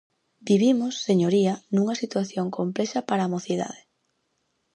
Vivimos, señoría, nunha situación complexa para a mocidade.